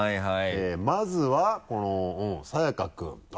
えぇまずはこの沙也加君。